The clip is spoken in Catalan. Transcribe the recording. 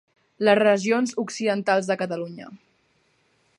Les regions occidentals de Catalunya.